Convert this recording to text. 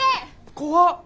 怖っ。